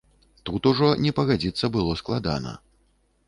Тут ужо не пагадзіцца было складана.